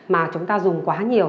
mà chúng ta dùng quá nhiều